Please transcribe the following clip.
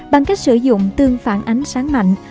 bằng cách sử dụng tương phản ánh sáng mạnh